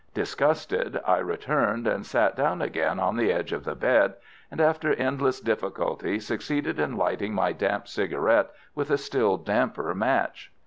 Disgusted, I returned and sat down again on the edge of the bed, and, after endless difficulty, succeeded in lighting my damp cigarette with a still damper match.